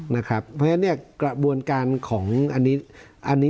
เพราะฉะนั้นเนี่ยกระบวนการของอันนี้